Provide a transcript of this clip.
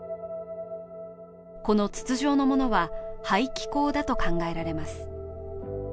この筒状のものは排気口だと考えられます。